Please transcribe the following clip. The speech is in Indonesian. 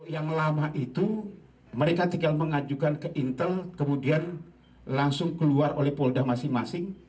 yang lama itu mereka tinggal mengajukan ke intel kemudian langsung keluar oleh polda masing masing